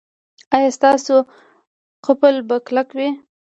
ایا ستاسو قفل به کلک وي؟